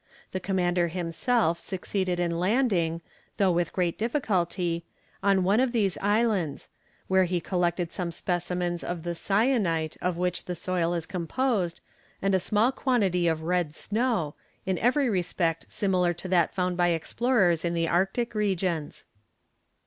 The commander himself succeeded in landing, though with great difficulty, on one of these islands, where he collected some specimens of the syenite of which the soil is composed, and a small quantity of red snow, in every respect similar to that found by explorers in the Arctic regions.